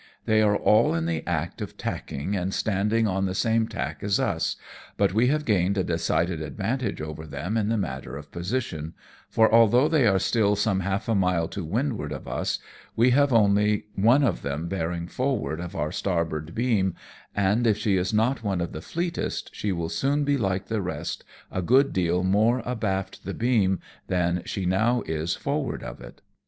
They are all in the act of tacking and standing on the same tack as us, but we have gained a decided advantage over them in the matter of position, for although they are still some half a mile to windward of us, we have only one of them bearing forward of our starboard beam, and if she is not one of the fleetest, she will soon be like the rest, a good deal more abaft the beam than she now is forward of it.